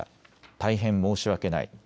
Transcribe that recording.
大変申し訳ない。